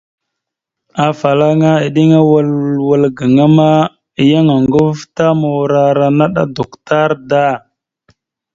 Afalaŋa eɗeŋa awal wal gaŋa ma, yan oŋgov ta morara naɗ a duktar da.